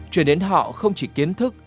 chuyển đến họ không chỉ kiến thức